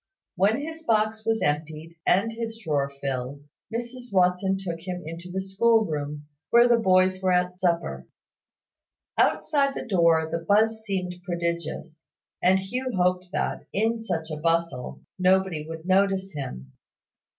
When his box was emptied, and his drawer filled, Mrs Watson took him into the school room, where the boys were at supper. Outside the door the buzz seemed prodigious, and Hugh hoped that, in such a bustle, nobody would notice him.